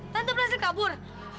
tante berhasil kabur